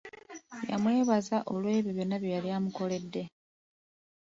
Yamwebaza olw'ebyo byonna bye yali amukoledde.